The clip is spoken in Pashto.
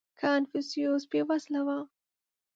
• کنفوسیوس بېوزله و.